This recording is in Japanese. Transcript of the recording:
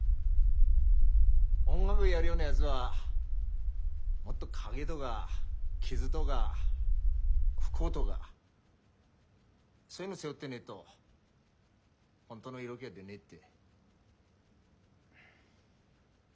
音楽やるようなやづはもっと影とか傷とか不幸とかそういうの背負ってねえと本当の色気は出ねえって。